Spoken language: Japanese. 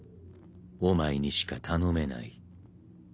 お前にしか頼めない。